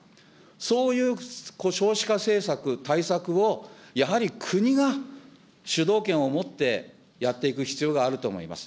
そういう少子化政策、対策を、やはり国が主導権を持ってやっていく必要があると思います。